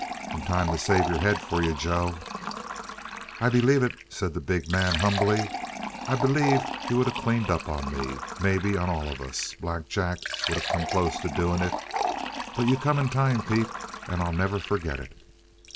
"In time to save your head for you, Joe." "I believe it," said the big man humbly. "I b'lieve he would of cleaned up on me. Maybe on all of us. Black Jack would of come close to doing it. But you come in time, Pete. And I'll never forget it."